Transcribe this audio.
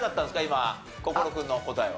今心君の答えは。